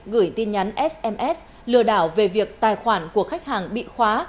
gửi tin nhắn sms lừa đảo về việc tài khoản của khách hàng bị khóa